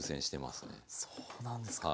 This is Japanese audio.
そうなんですか。